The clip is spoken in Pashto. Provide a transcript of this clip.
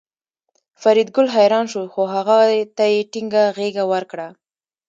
فریدګل حیران شو خو هغه ته یې ټینګه غېږه ورکړه